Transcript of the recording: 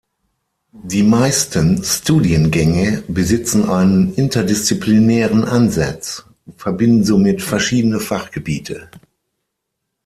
Die meisten Studiengänge besitzen einen interdisziplinären Ansatz, verbinden somit verschiedene Fachgebiete.